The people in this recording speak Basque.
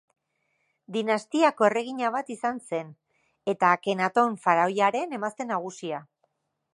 Dinastiako erregina bat izan zen, eta Akenaton faraoiaren emazte nagusia.